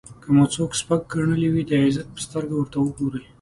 که مو څوک سپک ګڼلی وي د عزت په سترګه ورته وګورئ.